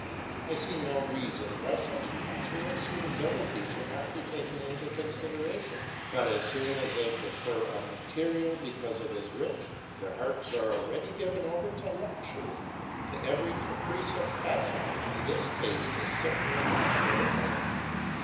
I see no reason why such natural suitability should not be taken into consideration; but as soon as they prefer a material because it is rich, their hearts are already given over to luxury, to every caprice of fashion, and this taste is certainly not their own.